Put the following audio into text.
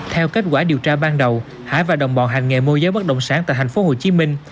theo kết quả điều tra ban đầu hải và đồng bọn hành nghệ mua giấy bất động sản tại thành phố hồ chí minh